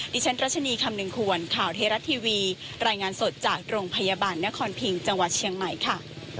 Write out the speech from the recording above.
ดิฉันรัชนีคำนึงควรข่าวเทราะทีวีรายงานสดจากโรงพยาบาลนครพิงจังหวัดเชียงใหม่ค่ะ